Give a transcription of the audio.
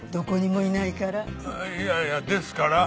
いやいやですから。